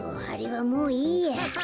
あれはもういいや。